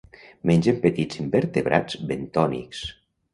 Mengen petits invertebrats bentònics.